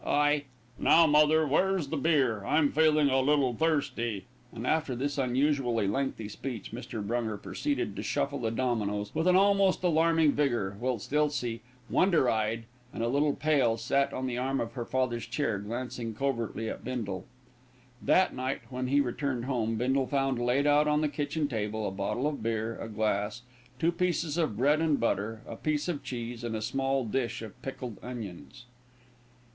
"I " "Now, mother, where's the beer? I'm feeling a bit thirsty;" and after this unusually lengthy speech, Mr. Brunger proceeded to shuffle the dominoes with an almost alarming vigour, whilst Elsie, wonder eyed and a little pale, sat on the arm of her father's chair glancing covertly at Bindle. That night, when he returned home, Bindle found laid out on the kitchen table, a bottle of beer, a glass, two pieces of bread and butter, a piece of cheese and a small dish of pickled onions.